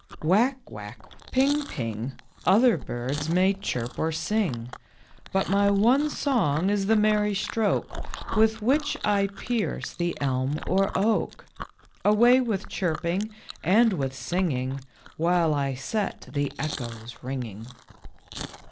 " Whack, whack, ping, ping, Other birds may chirp or sing ; But my one song is the merry stroke With which I pierce the elm or oak ; Away with chirping and with singing, While I set the echoes ringing."